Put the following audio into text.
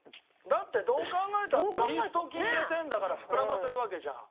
だってどう考えたってイースト菌入れてるんだから膨らませるわけじゃん。